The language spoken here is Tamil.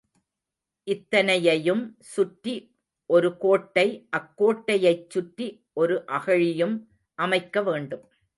இத்தனையையும் சுற்றி ஒரு கோட்டை அக்கோட்டையைச் சுற்றி ஒரு அகழியும் அமைக்க வேண்டும்.